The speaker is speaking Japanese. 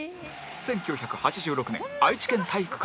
１９８６年愛知県体育館